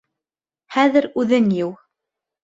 Хәҙер үҙең йыу.